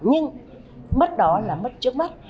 nhưng mất đó là mất trước mắt